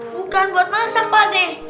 bukan buat masak pak deh